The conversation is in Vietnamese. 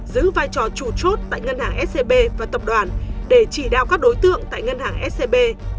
giữ vai trò chủ chốt tại ngân hàng scb và tập đoàn để chỉ đạo các đối tượng tại ngân hàng scb